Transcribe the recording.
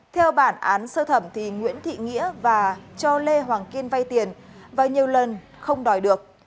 theo bản án sơ thẩm nguyễn thị nghĩa và cho lê hoàng kiên vay tiền và nhiều lần không đòi được